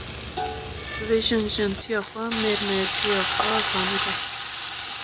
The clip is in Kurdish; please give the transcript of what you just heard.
Divê jin jintiya xwe, mêr mêrtiya xwe zanî be